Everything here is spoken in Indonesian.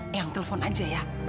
ayang telfon aja ya